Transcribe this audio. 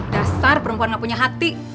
dasar perempuan gak punya hati